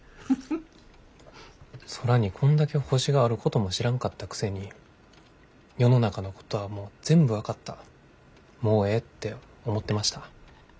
空にこんだけ星があることも知らんかったくせに世の中のことはもう全部分かったもうええって思ってました。